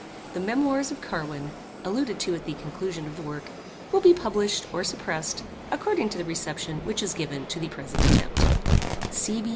The memoirs of Carwin, alluded to at the conclusion of the work, will be published or suppressed according to the reception which is given to the present attempt.